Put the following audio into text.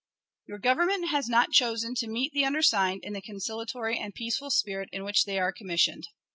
Your Government has not chosen to meet the undersigned in the conciliatory and peaceful spirit in which they are commissioned.